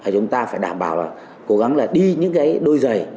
chúng ta phải đảm bảo là đi những đôi giày